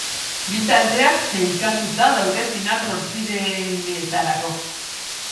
Bi taldeak sailkatuta daude final-zortzirenetarako.